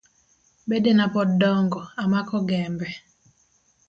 Bedena pod dongo amako gembe.